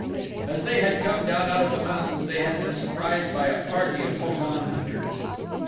As they had come down out of the mountains they had been surprised by a party of Ho don hunters.